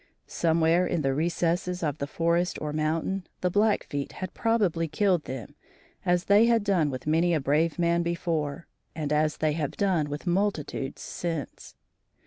Somewhere in the recesses of the forest or mountain, the Blackfeet had probably killed them as they had done with many a brave man before, and as they have done with multitudes since.